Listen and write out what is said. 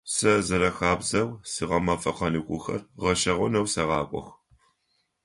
Сэ зэрэхабзэу сигъэмэфэ каникулхэр гъэшӏэгъонэу сэгъакӏох.